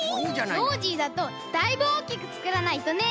ノージーだとだいぶおおきくつくらないとね！